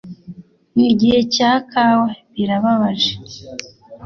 nigihe cya kawa, birababaje.